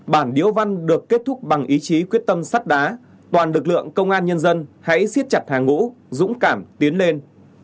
bản điếu văn được kết thúc bằng ý chí quyết tâm sắt đá toàn lực lượng công an nhân dân hãy xiết chặt hàng ngũ dũng cảm tiến lên